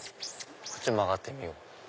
こっち曲がってみよう。